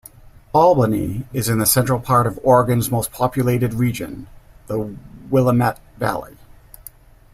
Albany is in the central part of Oregon's most populated region, the Willamette Valley.